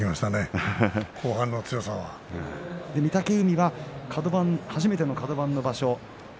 御嶽海は初めてのカド番の場所。